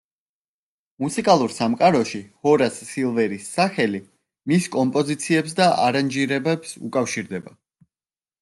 მუსიკალურ სამყაროში ჰორას სილვერის სახელი მის კომპოზიციებს და არანჟირებებს უკავშირდება.